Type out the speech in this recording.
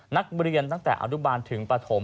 นักเรียนตั้งแต่อนุบาลถึงปฐม